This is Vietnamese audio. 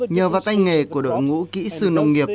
nhờ vào tay nghề của đội ngũ kỹ sư nông nghiệp